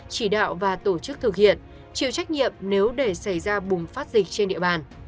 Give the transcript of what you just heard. chỉ đạo và tổ chức thực hiện chịu trách nhiệm nếu để xảy ra bùng phát dịch trên địa bàn